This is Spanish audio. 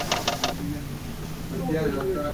Hammer nació en Santa Monica, California.